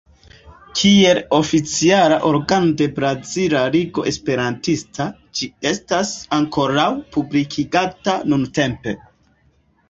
Kiel oficiala organo de Brazila Ligo Esperantista, ĝi estas ankoraŭ publikigata nuntempe.